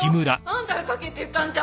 あんたが書けって言ったんじゃん。